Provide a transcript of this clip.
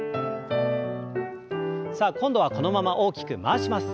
さあ今度はこのまま大きく回します。